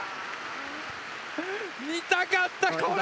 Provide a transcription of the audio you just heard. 見たかったこれ！